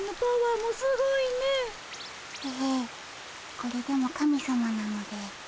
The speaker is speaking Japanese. これでも神さまなので。